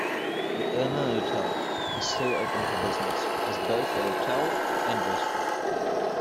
The Irma Hotel is still open for business as both a hotel and restaurant.